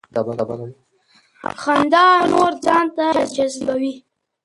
خندا نور ځان ته جذبوي.